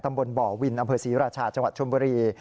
บ่อวินอำเภอศรีราชาจังหวัดชมบุรี